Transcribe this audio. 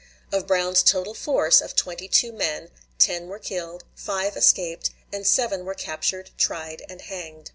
Of Brown's total force of twenty two men, ten were killed, five escaped, and seven were captured, tried, and hanged.